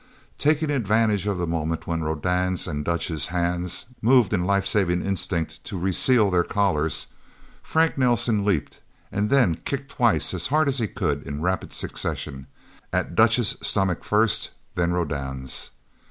Taking advantage of the moment when Rodan's and Dutch's hands moved in life saving instinct to reseal their collars, Frank Nelsen leaped, and then kicked twice, as hard as he could, in rapid succession. At Dutch's stomach, first. Then Rodan's.